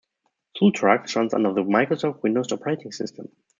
Zultrax runs under the Microsoft Windows operating system.